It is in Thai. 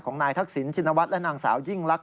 นายทักษิณชินวัฒน์และนางสาวยิ่งลักษ